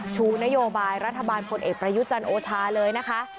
ชูนโยบายรัฐบาลพลเอกประยุจันทร์โอชาเลยนะคะ